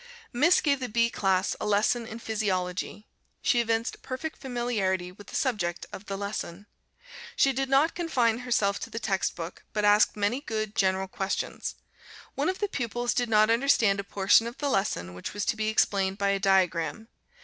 Miss gave the B class a lesson in Physiology. She evinced perfect familiarity with the subject of the lesson. She did not confine herself to the text book, but asked many good, general questions. One of the pupils did not understand a portion of the lesson which was to be explained by a diagram.